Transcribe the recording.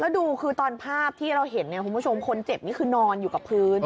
แล้วดูคือตอนภาพที่เราเห็นเนี่ยคุณผู้ชมคนเจ็บนี่คือนอนอยู่กับพื้น